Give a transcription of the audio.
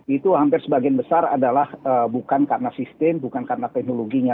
itu hampir sebagian besar adalah bukan karena sistem bukan karena teknologinya